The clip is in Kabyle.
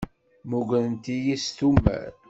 Mmugren-iyi s tumert.